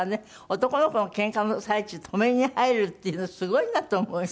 男の子のけんかの最中止めに入るっていうのすごいなと思います。